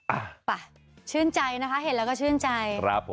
อ่าชื่นใจนะครับเห็นแล้วก็ชื่นใจ